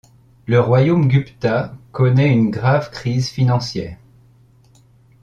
Le royaume gupta connait une grave crise financière.